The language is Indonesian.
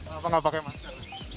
kenapa nggak pakai masker